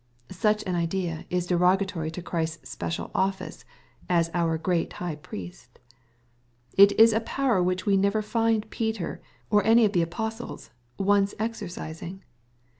Such an idea is derogatory to Christ's special office, as our Great High Priest. It is a power which we never find Peter, or any of the apos tles, once exercising.